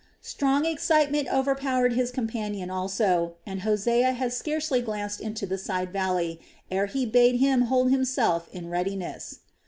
Strong excitement overpowered his companion also, and Hosea had scarcely glanced into the side valley ere he bade him hold himself in readiness.